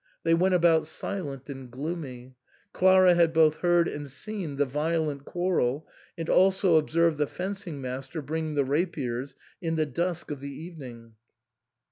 They went about silent and gloomy ; Clara had both heard and seen the violent quarrel, and also observed the fencing master bring the rapiers in the dusk of the evening.